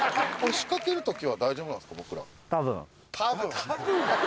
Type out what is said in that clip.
仕掛けるときは大丈夫なんでたぶん。